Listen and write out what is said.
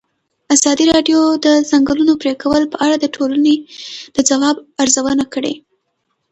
ازادي راډیو د د ځنګلونو پرېکول په اړه د ټولنې د ځواب ارزونه کړې.